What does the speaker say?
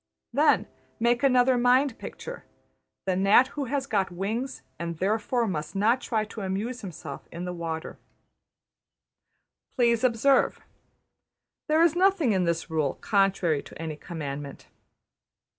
Then make another mind picture: The gnat who has got wings, and \emph{therefore must not try to amuse himself in the water}. Please observe: There is nothing in this rule contrary to any commandment.